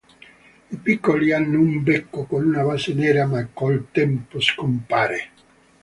I piccoli hanno un becco con una base nera ma col tempo scompare.